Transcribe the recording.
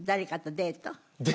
デート！？